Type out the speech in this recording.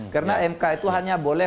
karena mk itu hanya boleh